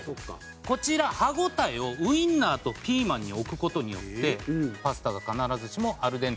こちら歯応えをウインナーとピーマンに置く事によって「パスタが必ずしもアルデンテである必要はない」。